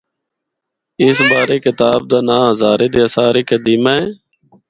اس بارے کتاب دا ناں ’ہزارے دے آثار قدیمہ‘ اے۔